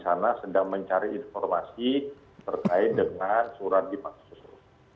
di sana sedang mencari informasi terkait dengan surat di pak susu